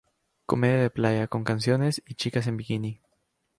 Comedia de playa, con canciones y chicas en bikini.